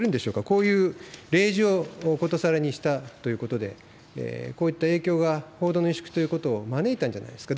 こういう例示をことさらにしたということで、こういった影響が報道の萎縮ということを招いたんじゃないですか。